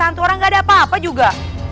hantu orang gak ada apa apa juga